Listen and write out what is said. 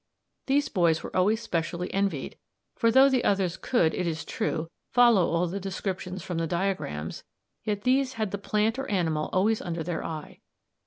These boys were always specially envied, for though the others could, it is true, follow all the descriptions from the diagrams, yet these had the plant or animal always under their eye.